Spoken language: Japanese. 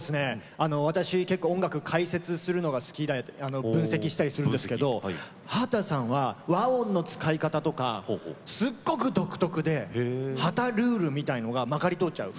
私、結構、音楽解説するのが好き分析するのが好きなんですけど秦さんは、和音の使い方とかすっごく独特で秦ルールみたいのがまかり通っちゃう。